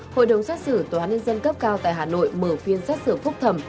hội đồng xét xử toán nhân dân cấp cao tại hà nội mở phiên xét xử phúc thẩm